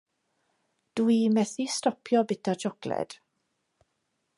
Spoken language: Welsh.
Dw i methu stopio byta siocled.